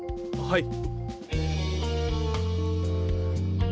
はい。